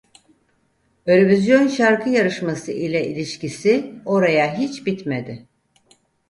Eurovision Şarkı Yarışması ile ilişkisi oraya hiç bitmedi.